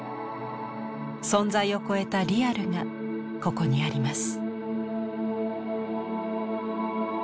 存在を超えたリアルがここにあります。